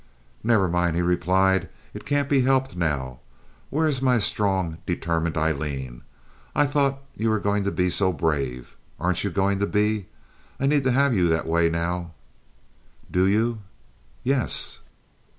"Never mind," he replied; "it can't be helped now. Where is my strong, determined Aileen? I thought you were going to be so brave? Aren't you going to be? I need to have you that way now." "Do you?" "Yes."